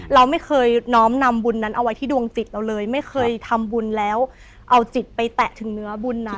เราไม่เคยน้อมนำบุญนั้นเอาไว้ที่ดวงจิตเราเลยไม่เคยทำบุญแล้วเอาจิตไปแตะถึงเนื้อบุญนะ